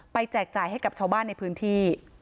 แจกจ่ายให้กับชาวบ้านในพื้นที่